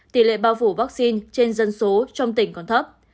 tỷ lệ bao phủ vaccine trên dân số trong tỉnh còn thấp